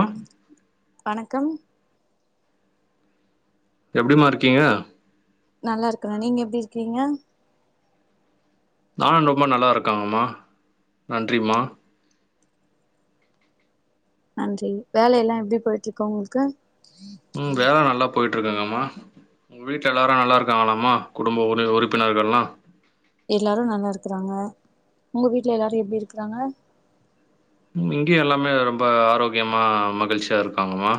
ஆ வணக்கம் எப்டிமா இருக்கீங்க நல்லா இருக்கறேன் நீங்க எப்டி இருக்கீங்க நானும் ரொம்ப நல்லா இருக்காங்கம்மா நன்றிம்மா நன்றி வேலையெல்லாம் எப்டி போயிட்டிருக்கு உங்களுக்கு ம் வேல நல்லா போயிட்டு இருக்குங்கம்மா உங்க வீட்ல எல்லாரும் நல்லா இருக்காங்களாம்மா குடும்ப உறுப்பினர்கள்லாம் எல்லாரு நல்லா இருக்குறாங்க ஒங்க வீட்ல எல்லாரு எப்டி இருக்குறாங்க இங்கயு எல்லாமே ரொம்ப ஆரோக்யமா மகிழ்ச்சியா இருக்காங்கமா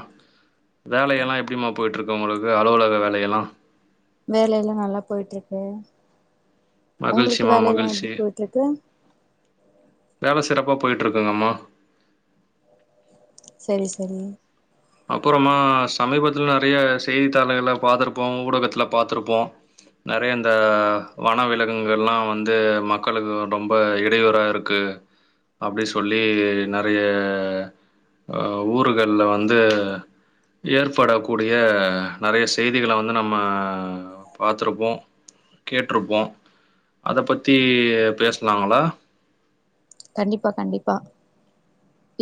வேலையெலா எப்டிமா போய்ட்ருக்கு உங்களுக்கு அலுவலக வேலையெலா வேலையெல்லா நல்லா போய்ருக்கு ஒங்களுக்கு மகிழ்ச்சிமா வேலை எல்லா எப்டி மகிழ்ச்சி போய்ட்ருக்கு வேல சிறப்பா போய்ட்ருக்குங்கம்மா செரி செரீ அப்புறமா சமீபத்ல நெறையா செய்தித்தாளுகள்ல பாத்துருப்போ ஊடகத்துல பாத்துருப்போ நெறைய இந்த வன விலக்குகள்லா வந்தூ மக்களுக்கு ரொம்ப இடையூறாக இருக் க்கு அப்டி சொல்லி நெறைய ஆ ஊருகள்ல வந்த் து ஏற்படக்கூடிய நெறைய செய்திகள வந்து நம்ம பாத்ருப்போ கேட்ருப்போ அத பத்தீ பேசலாங்களா கண்டிப்பா கண்டிப்பா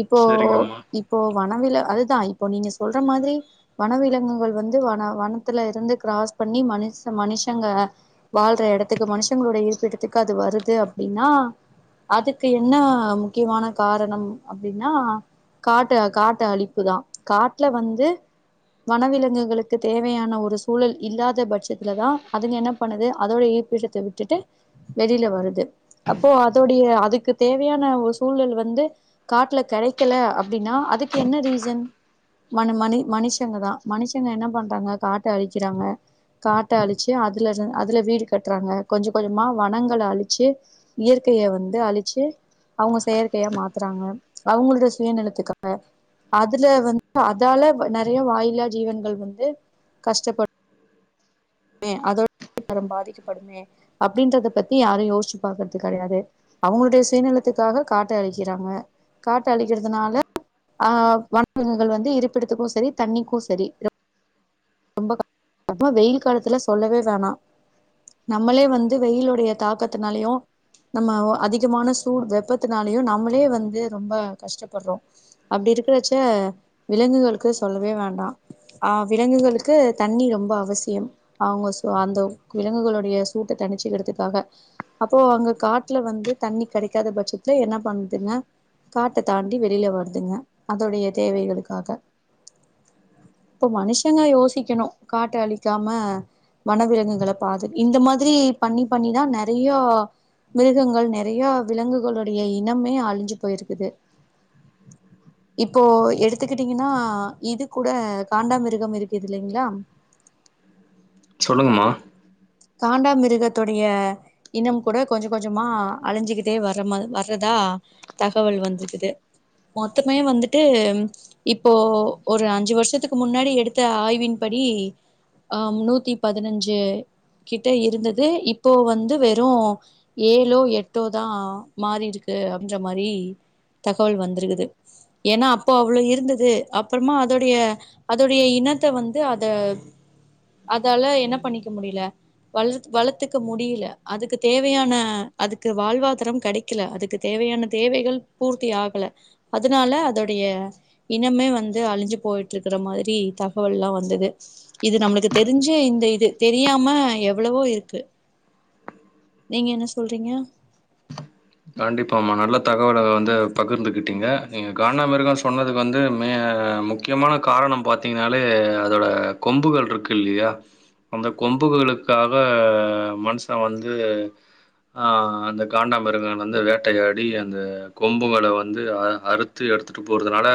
இப்போ சரிங்கம்மா இப் போ வனவில அதுதா இப்பொ நீங்க சொல்ற மாதிரி வனவிலங்குகள் வந்து வன வனத்துல இருந்து கிராஸ் பண்ணி மனிஷ மனிஷங்க வாழ்ற எடத்துக்கு மனுஷங்களோட இருப்பிடத்துக்கு அது வருது அப்டின்னா அதுக் க்கு என்ன முக்கியமான காரணம் அப்டின்னா காட்டு காட்ட அழிப்புதா காட்ல வந்து வனவிலங்குகளுக்கு தேவையான ஒரு சூழல் இல்லாத பட்சத்லதா அதுங்க என்ன பண்ணுது அதோட இருப்பிடத் த விட்டுட்டு வெளியில வருது அப்போ அதோடைய அதுக்கு தேவையான ஒரு சூழல் வந்து காட்ல கெடைக்கல அப்டின்னா அதுக்கு என்ன ரீசன் மன மனி மனுஷங்கதா மனுஷங்க என்ன பண்றாங்க காட்ட அழிக்கிறாங்க காட்ட அழிச்சி அதுலர அதுல வீடு கட்டுறாங்க கொஞ்சொ கொஞ்சமா வனங்கள அழிச்சி இயற்கையை வந்து அழிச்சி அவொங்க செயற்கையா மாத்துறாங்க அவங்களோட சுயநலத்துக்காக அதுல வந்து அதால நெறையா வாயில்லா ஜீவன்கள் வந்து கஷ்டப்பட் மே அதோட ரொ பாதிக்கப்படுமே அப்டின்றத பத்தி யாரு யோஸ்ச்சி பாக்கற்து கெடையாது அவங்களுடைய சுயநலத்துக்காக காட்ட அழிக்கிறாங்க காட்ட அழிக்கிறதுனால ஆஹ் வனவிலங்குகள் வந்து இருப்பிடத்துக்கு சரி தண்ணிக்கூ சரி அப்மா வெயில் காலத்துல சொல்லவே வேணா நம்மளே வந்து வெயிலொடைய தாக்கத்துனாலையூ நம்ம ஒ அதிகமான சூடு வெப்பத்துனாலையூ நம்மளே வந்து ரொம்ப கஷ்டப்பட்றோ அப்டி இருக்குறச்சே விலங்குகளுக்கு சொல்லவே வேண்டா ஆஹ் விலங்குகளுக்கு தண்ணீ ரொம் ரொம்ப அவசியம் அவங்க சொ அந்த விலங்குகளுடைய சூட்ட தணிச்சிக்கிடதுக்காக அப்போ அங்க காட்ல வந்து தண்ணி கெடைக்காத பட்சத்ல என்னா பண்துங்க காட்ட தாண்டி வெளியில வருதுங்க அதோடைய தேவைகளுக்காக இப்ப மனுஷங்க யோசிக்கணூ காட்ட அழிக்காம வனவிலங்குகள பாது இந்த மாதிரீ பண்ணி பண்ணிதா நெறையா மிருகங்கள் நெறையா விலங்குகளுடைய இனொம்மே அழிஞ்சி பொயிருக்குது [inaudible] இப்போ எடுத்துகிட்டிங்கனா இது கூட காண்டாமிருகம் இருக்குதில்லைங்களா சொல்லுங்கமா காண்டா மிருகத்தொடைய இனம் கூட கொஞ்சொ கொஞ்சமா அழிஞ்சுக்கிட்டே வர்றமா வர்றதா தகவல் வந்ருக்குது மொத்தமே வந்துட்டூ இப்போ ஒரு அஞ்சு வருஷத்துக்கு முன்னாடி எடுத்த ஆய்வின் படி ஆ நூத்தி பதினஞ்சு கிட்ட இருந்தது இப்போ வந்து வெறு ஏலோ எட்டோ தா மாறிருக்கு அப்டின்ற மாரி தகவல் வந்துருக்குது ஏனா அப்போ அவ்ளோ இருந்தது அப்புறமா அதோடய அதோடய இனத்த வந்து அத அதால என்ன பண்ணிக்க முடில வளர் வளத்துக்க முடியல அதுக்கு தேவயான அதுக்கு வாழ்வாதாரம் கடை க்கல அதுக்கு தேவயான தேவைகள் பூர்த்தி ஆகல அதனால அதோடய இனமே வந்து அழிஞ்சு போய்ட்டு இருக்கிற மாரி தகவல்லா வந்தது இது நம்மளுக்கு தெரிஞ்சு இந்த இது தெரியாம எவ்வளவோ இருக்கு நீங்க என்ன சொல்றீங்க கண்டிப்பாம்மா நல்ல தகவல வந்து பகிர்ந்துகிட்டீங்க நீங்க காண்டாமிருகம் சொன்னதுக்கு வந்து மே முக்கியமான காரணம் பாத்தீங்கனாலே அதோட கொம்புகள் இருக்கு இல்லியா அந்த கொம்புகளுக்காக மனுஷ வந்து ஆ அந்த காண்டா மிருகன் வந்து வேட்டையாடி அந்த கொம்புங்கள வந்து அ அறுத்து எடுத்துட்டு போறதுனால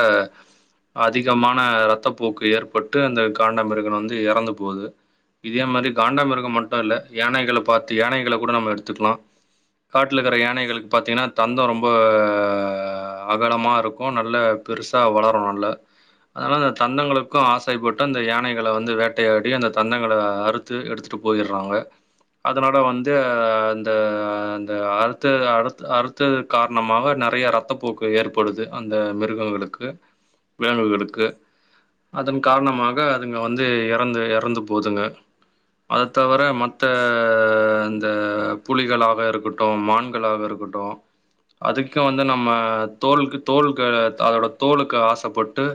அதிகமான ரெத்தப்போக்கு ஏற்பட்டு அந்த காண்ட மிருகன் வந்து எறந்து போது இதே மாரி காண்டாமிருகம் மட்டு இல்ல யானைகள பாத்து யானைகள கூட நம்ம எடுத்துக்லா காட்ல இருக்குற யானைகளுக்கு பாத்தீங்கன்னா தந்தோ ரொம்ப அ அகலமா இருக்கு நல்ல பெருசா வளரு நல்ல அதனால அந்த தந்தங்களுக்கு ஆசை பட்டு அந்த யானைகள வந்து வேட்டையாடி அந்த தந்தங்கள அறுத் து எடுத்துட்டு போயிறாங்க அதனால வந்து அந்த அந்த அறுத்த அறுத் அறுத்தது காரணமாக நெறய ரத்தப்போக்கு ஏற்படுது அந்த மிருகங்களுக்கு விலங்குகளுக்கு அதன் காரணமாக அதுங்க வந்து எறந்து எறந்து போதுங்க அத தவிர மத்த இந்த புலிகளாக இருக்கட்டு மான்களாக இருக்கட் அதுக்கு வந்து நம்ம தோலுக்கு தோல்க்காக அதோட தோலுக்கு ஆசப்பட்டு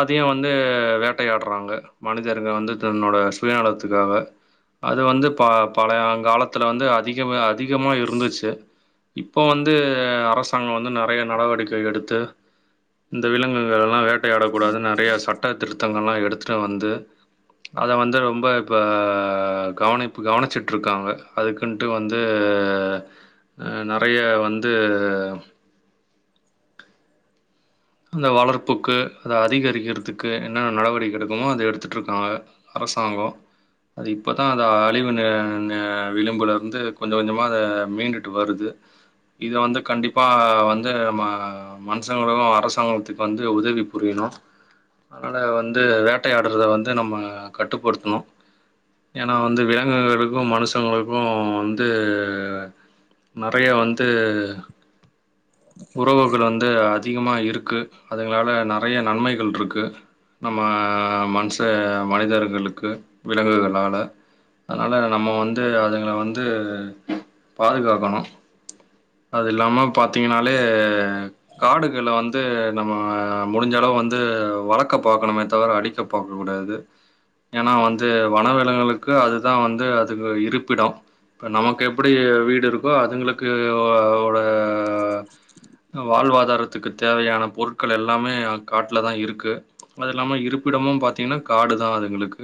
அதயு வந்து வேட்டையாட்றாங்க மனிதர்ங்க வந்து தன்னோட சுயநலத்துக்காக அது வந்து ப பழயங் காலத்துல வந்து அதிக அதிகமா இருந்துச்சு இப்ப வந்து அரசாங்கோ வந்து நறைய நடவடிக்கை எடுத்து இந்த விலங்குகள் இதெல்லா வேட்டையாடக் கூடாது நெறய சட்ட திருத்தங்கள்ல்லா எடுத்துட்டு வந்து அத வந்து ரொம்ப இப்ப கவனிப்பு கவனிச்சுட்டு இருக்காங்க அதுக்கு கொன்ட்டு வந்து அ நெறய வந்து அந்த வளர்ப்புக்கு அத அதிகரிக்கிறதுக்கு என்னென்ன நடவடிக்கை எடுக்கனுமோ அத எடுத்துட்ருக்காங்க அரசாங்கோ அது இப்பதா அத அழிவு ந ந விளிம்புலருந்து கொஞ்ச கொஞ்சமா அத மீண்டுட்டு வருது இத வந்து கண்டிப்பா வந்து ம மனுஷங்களும் அரசு சாங்கத்துக்கு வந்து உதவி புரியணு அதனால வந்து வேட்டயாடுறத வந்து நம்ம கட்டுப்படுத்தணும் ஏனா வந்து விலங்குகளுக்கு மனுஷங்களுக்கு வந்து நறைய வந்து உறவுகள் வந்து அதிகமா இருக்கு அதுங்களால நெறய நன்மைகள் இருக்கு நம்ம மனுஷ மனிதர்களுக்கு விலங்குகளால அதனால நம்ம வந்து அதுங்கள வந்து பாதுகாக்கணு அது இல்லாம பாத்தீங்கனாலே காடுகள வந்து நம்ம முடிஞ்சளவு வந்து வளக்க பாக்கணுமே தவிர அழிக்க பாக்க கூடாது ஏனா வந்து வனவிலங்குகளுக்கு அதுதா வந்து அதுங்க இருப்பிடோ இப்போ நமக்கு எப்டி வீடு இருக்கோ அதுங்களுக்கு ஓ ஓட வாழ்வாதாரத்துக்கு தேவையான பொருட்கள் எல்லாமே காட்டுல தா இருக்கு அது மாரி இல்லாம இருப்பிடமு பாத்தீங்கன்னா காடு தா அதுங்களுக்கு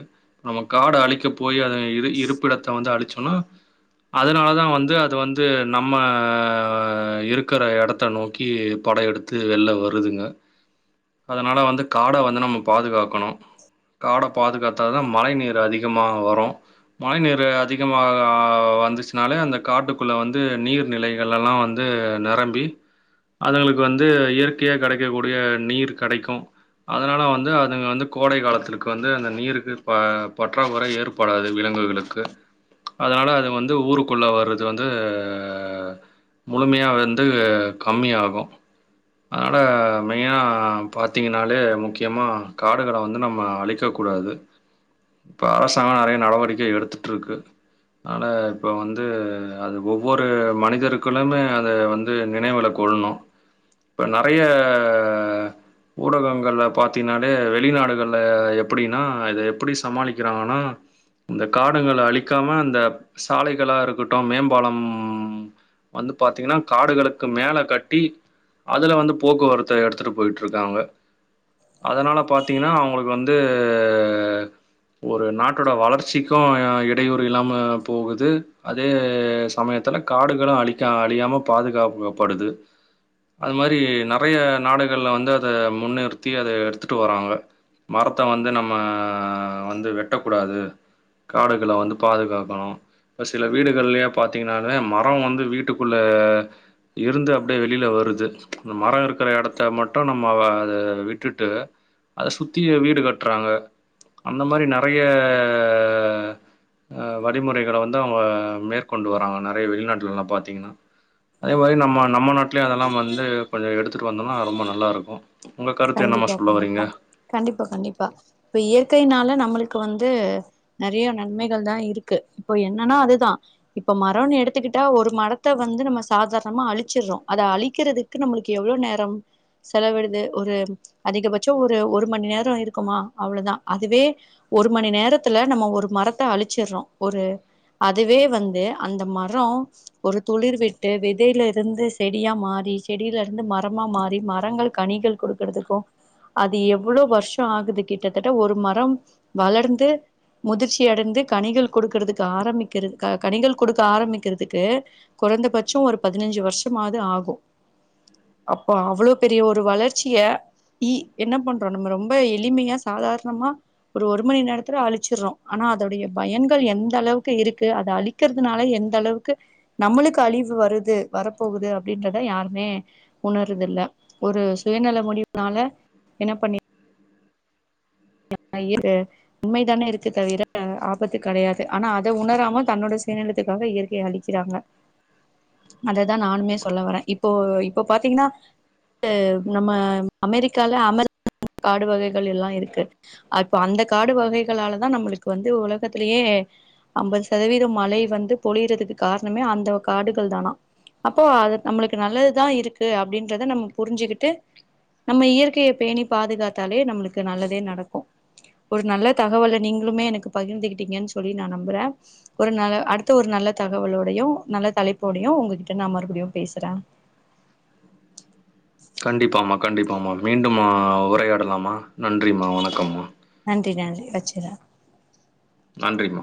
நம்ம காடு அழிக்கப் போயி அத இரு இருப்பிடத்த வந்து அழிச்சோன்னா அதனால தா வந்து அது வந்து நம்ம அ இருக்கிற எடத் த நோக்கி பட எடுத்து வெள்ல வருதுங்க அதனால வந்து காட வந்து நம்ம பாதுகாக்கணும் காட பாதுகாத்தா தா மழை நீர் அதிகமா வரு மழை நீர் அதிகமா வந்துச்சுனாலே அந்த காட்டுக்குள்ள வந்து நீர்நிலைகள்ல்லா வந் து நரம்பி அதுங்களுக்கு வந்து இயற்கையா கடைக்க கூடிய நீர் கடைக்கு அதனால வந்து அதுங்க வந்து கோடை காலத்துக்கு வந்து அந்த நீருக்கு ப பற்றாக்குறை ஏற் படாது விலங்குகளுக்கு அதனால அது வந்து ஊருக்குள்ள வர்றது வந்து அ முழுமையா வந்து கம்மி ஆகு அதனால மெயினா பாத்திங்கனாலே முக்கியமா காடுகள வந்து நம்ம அழிக்க கூடாது இப்ப அரசாங்கோ நெறய நடவடிக்கை எடுத்துட்டுருக்கு அதனால இப்போ வந்து அது ஒவ்வொரு மனிதருக்குளுமே அத வந்து நினைவிள கொல்ணு‌ இப்ப நெறைய ஊடகங்கள்ல பாத்தீனாலே வெளிநாடுகள்ல எப்படினா இத எப்டி சமாளிக்கிறாங்கனா இந்த காடுங்கள அழிக்காம இந்த சாலைகளா இருக்கட்டும் மேம்பாலம் வந்து பாத்தீங்கன்னா காடுகளுக்கு மேல கட்டி அதுல வந்து போக்குவரத்த எடுத்துட்டு போயிட்டு இருக்காங்க அதனால பாத்தீங்கன்னா அவுங்களுக்கு வந்து ஒரு நாட்டோட வளர்ச்சிக்கு அ இடையூறு இல்லாம போகுது அதே சமயத்தில காடுகளு அழிக்கா அழியாம பாதுகாக்கப்படுது அது மாரி நறைய நாடுகள்ல வந்து அத முன்னிறுத்தி அத எடுத்துட்டு வராங்க மரத்த வந்து நம்ம வந்து வெட்டக்கூடாது காடுகள வந்து பாதுகாக்கணு இப்ப சில வீடுகள்லயே பாத்தீங்கன்னே மரோ வந்து வீட்டுக்குள்ள இருந்து அப்டே வெளில வருது இந்த மரோ இருக்கிற இடத்த மட்டு நம்ம அ அத விட்டுட்டு அத சுத்தி வீடு கட்டுறாங்க அந்த மாரி நறைய அ வழிமுறைகளை வந்து அவுங்க மேற்கொண்டு வராங்க நறைய வெளிநாட்டுலல்லா பாத்தீங்கன்னா அதே மாரி நம்ம நம்ம நாட்டுலயு அதெல்லாம் வந்து கொஞ்சோ எடுத்துட்டு வந்தோம்னா ரொம்ப நல்லா இருக்கு உங்க கருத்து என்னம்மா கண்டிப்பா சொல்ல வரீங்க கண்டிப்பா கண்டிப்பா கண்டிப்பா இப்ப இயற்கையினால நம்மளுக்கு வந்து நறைய நன்மைகள் தா இருக்கு இப்போ என்னன்னா அதுதா இப்ப மரோன்னு எடுத்துக்கிட்டா ஒரு மரத்த வந்து நம்ம சாதாரணமா அழிச்சறோ அத அழிக்கிறது க்கு நம்மளுக்கு எவ்ளோ நேரம் செலவிடுது ஒரு அதிகபட்சம் ஒரு ஒரு மணி நேரம் இருக்குமா அவ்ளோதா அதுவே ஒரு மணி நேரத்துல நம்ம ஒரு மரத்த அழிச்சிறோம் ஒரு அதுவே வந்து அந்த மரம் ஒரு துளிர் விட்டு விதையில இருந்து செடியா மாரி செடியில இருந்து மரமா மாரி மரங்கள் கனிகள் கொடுக்குறதுக்கும் அது எவ்ளோ வருஷம் ஆகுது கிட்டத்தட்ட ஒரு மரம் வளர்ந்து முதிர்ச்சி அடைந்து கனிகள் குடுக்குறதுக்கு ஆரம்பிக்கிறதுக்கா கனிகள் குடுக்க ஆரம்பிக்கிறதுக்கு குறைந்தபட்சம் ஒரு பதினஞ்சு வருஷமாது ஆகும் அப்போ அவ்ளோ பெரிய ஒரு வளர் ச்சிய இ என்ன பண்றோம் நம்ம ரொம்ப எளிமையா சாதாரணமா ஒரு ஒரு மணி நேரத்துல அழிச்சிறோம் ஆனா அதோடைய பயன்கள் எந்த அளவுக்கு இருக்கு அத அழி க்கிறதுனால எந்த அளவுக்கு நம்மளுக்கு அழிவு வருது வரப்போகுது அப்படின்றத யாருமே உணருது இல்ல ஒரு சுயநல முடிவுனால என்ன பண்ணி இது உண்மைதானே இருக்கு தவிர ஆபத்து கிடையாது ஆனா அத உணராம தன்னோட சயநலத்துக்காக இயற்கைய அழிக்கிறாங்க அததான் நானுமே சொல்ல வரேன் இப்போ இப்போ பாத்தீங்கன்னா இது நம்ம அமெரிக்கால அமெரி காடு வகைகள் எல்லா இருக்கு அப் அந்த காடு வகைகளாலதா நம்மளுக்கு வந்து உலகத்திலயே ஐம்பது சதவீதம் மழை வந்து பொழியிறதுக்கு காரணமே அந்த காடுகள் தானா அப்போ அது நம்மளுக்கு நல்லதுதா இருக்கு அப்படின்றத நம்ம புரிஞ்சுகிட்டு நம்ம இயற்கைய பேணி பாதுகாத்தாலே நம்மளுக்கு நல்லதே நடக்கும் ஒரு நல்ல தகவலை நீங்களுமே எனக்கு பகிர்ந்துகிட்டீங்கன்னு சொல்லி நான் நம்புறேன் ஒரு நல்ல அடுத்த ஒரு நல்ல தகவலோடையும் நல்ல தலைப்போடையும் உங்ககிட்ட நான் மறுபடியும் பேசுறேன் கண்டிப்பாமா கண்டிப்பாமா மீண்டும் உரையாடலாமா நன்றிம்மா வணக்கம்மா நன்றி நன்றி வச்சிடுறேன் நன்றிமா